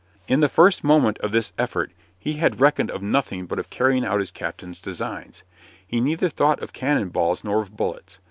In the first moment of this effort he had reckoned of nothing but of carrying out his captain's designs. He neither thought of cannon balls nor of bullets.